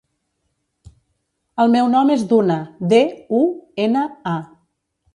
El meu nom és Duna: de, u, ena, a.